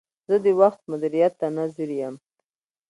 زه د وخت مدیریت ته نه ځیر یم.